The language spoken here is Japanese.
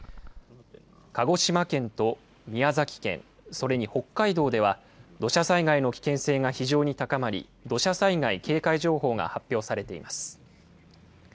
鹿児島県と宮崎県、それに北海道では、土砂災害の危険性が非常に高まり、土砂災害警戒情報が発表されています。